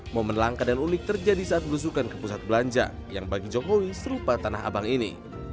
momen langka dan unik terjadi saat berusukan ke pusat belanja yang bagi jokowi serupa tanah abang ini